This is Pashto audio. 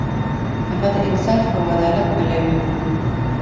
هغه د انصاف او عدالت پلوی و.